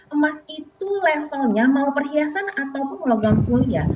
emas itu levelnya mau perhiasan ataupun logam mulia